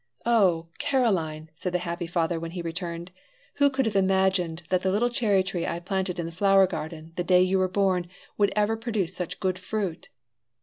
"Oh, Caroline," said the happy father when he returned, "who could have imagined that the little cherry tree I planted in the flower garden the day you were born would ever produce such good fruit?"